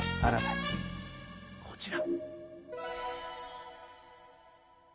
こちら。